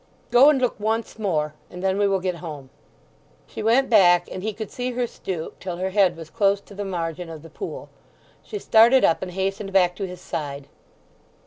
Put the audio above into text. "Go and look once more; and then we will get home." She went back, and he could see her stoop till her head was close to the margin of the pool. She started up, and hastened back to his side.